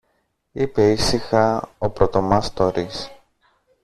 είπε ήσυχα ο πρωτομάστορης.